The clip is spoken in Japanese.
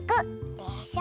でしょ？